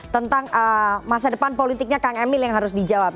tentang masa depan politiknya kang emil yang harus dijawab